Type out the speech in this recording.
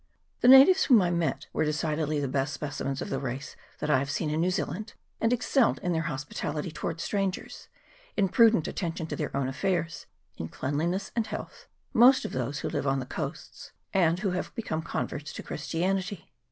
The natives whom I met were decidedly the best specimens of the race that I had seen in New Zealand, and excelled in their hospitality towards strangers, in prudent attention to their own affairs, in cleanliness and health, most of those who live on the coasts, and who have become converts to Christianity.